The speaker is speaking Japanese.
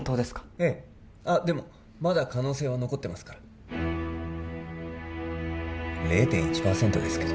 ええあっでもまだ可能性は残ってますから０．１パーセントですけど